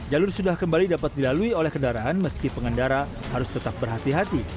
jalur sudah kembali dapat dilalui oleh kendaraan meski pengendara harus tetap berhati hati